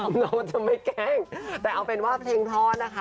น้องจะไม่แกล้งแต่เอาเป็นว่าเพลงทอดนะคะ